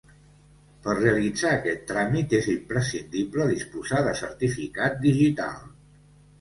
Per realitzar aquest tràmit és imprescindible disposar de certificat digital.